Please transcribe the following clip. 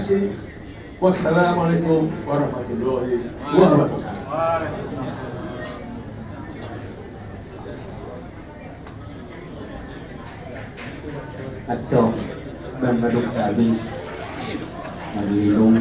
supaya bapak jokowi